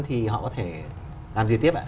thì họ có thể làm gì tiếp ạ